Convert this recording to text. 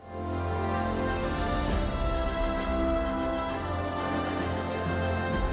tanya jawab dengan rakyat